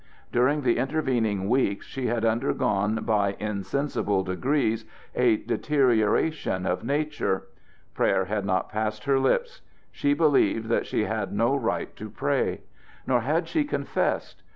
During the intervening weeks she had undergone by insensible degrees a deterioration of nature. Prayer had not passed her lips. She believed that she had no right to pray. Nor had she confessed.